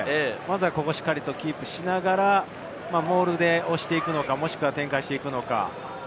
しっかりキープしながらモールで押していくのか、展開していくのか。